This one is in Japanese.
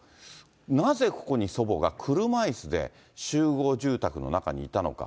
なぜここに祖母が車いすで集合住宅の中にいたのか。